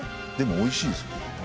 でもおいしいですよ。